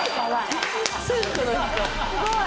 すごい！